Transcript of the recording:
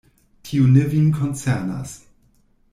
Tio ne vin koncernas.